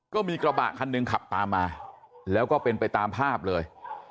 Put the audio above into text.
ก็มีกระบะคันหนึ่งขับตามมาแล้วก็เป็นไปตามภาพเลย